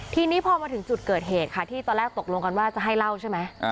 ทีนี้พอมาถึงจุดเกิดเหตุค่ะที่ตอนแรกตกลงกันว่าจะให้เล่าใช่ไหม